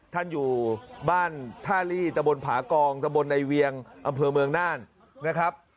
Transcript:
ท่านอยู่บ้านท่าลี่ตะบนผากองตะบนในเวียงอำเภอเมืองน่านนะครับ